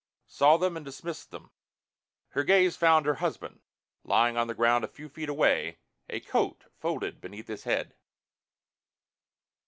Saw them and dismissed them. Her gaze found her husband, lying on the ground a few feet away, a coat folded beneath his head.